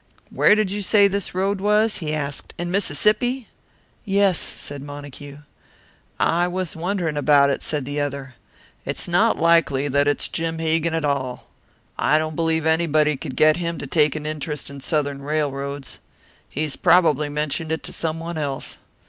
"Where did you say this road was?" he asked. "In Mississippi?" "Yes," said Montague. "I was wondering about it," said the other. "It is not likely that it's Jim Hegan at all. I don't believe anybody could get him to take an interest in Southern railroads. He has probably mentioned it to someone else.